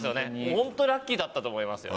ホントラッキーだったと思いますよ。